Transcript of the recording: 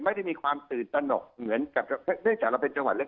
ไม่ได้มีความตื่นตนกเหมือนกับเนื่องจากเราเป็นจังหวัดเล็ก